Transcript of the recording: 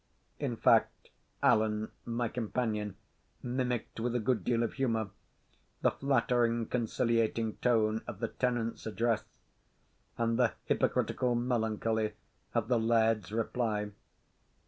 (In fact, Alan, my companion, mimicked, with a good deal of humour, the flattering, conciliating tone of the tenant's address and the hypocritical melancholy of the laird's reply.